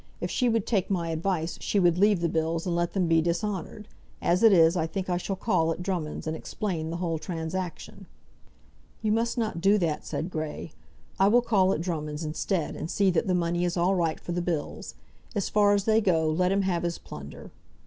If she would take my advice, she would leave the bills, and let them be dishonoured. As it is, I think I shall call at Drummonds', and explain the whole transaction." "You must not do that," said Grey. "I will call at Drummonds', instead, and see that the money is all right for the bills. As far as they go, let him have his plunder."